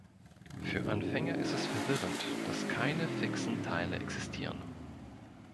Für Anfänger ist es verwirrend, dass keine fixen Teile existieren.